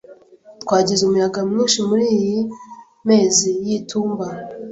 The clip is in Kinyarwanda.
Twagize umuyaga mwinshi muriyi mezi y'itumba.